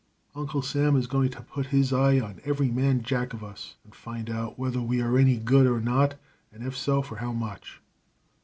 Uncle Sam is going to put his eye on every man jack of us and find out whether we are any good or not, and if so, for how much.